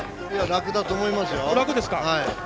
楽だと思います。